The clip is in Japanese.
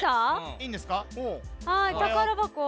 いいんですか？